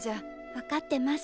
分かってます。